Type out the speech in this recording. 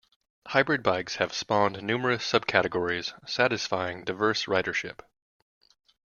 Hybrid bikes have spawned numerous sub-categories satisfying diverse ridership.